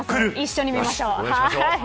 一緒に見ましょう。